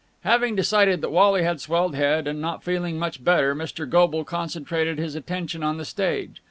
Having decided that Wally had swelled head, and not feeling much better, Mr. Goble concentrated his attention on the stage.